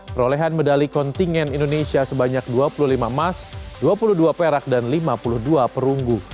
perolehan medali kontingen indonesia sebanyak dua puluh lima emas dua puluh dua perak dan lima puluh dua perunggu